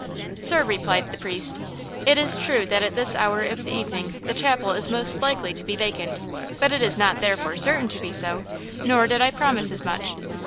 "Sir," replied the priest, "it is true that at this hour of the evening the chapel is most likely to be vacant, but it is not therefore certain to be so! nor did I promise as much!